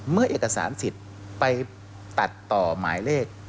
เมื่อเอกสารสิทธิ์ไปตัดต่อหมายเลข